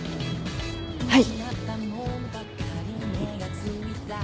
はい。